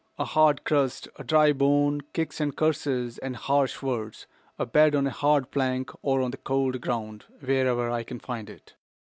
A hard crust, a dry bone, kicks and curses and harsh words, a bed on a hard plank or on the cold ground, wherever I can find it.